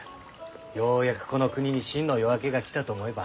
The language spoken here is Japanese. ようやくこの国に真の夜明けが来たと思えば。